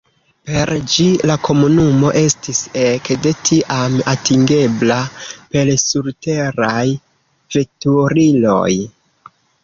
Per ĝi la komunumo estis ek de tiam atingebla per surteraj veturiloj.